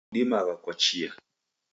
Udimagha kwa chia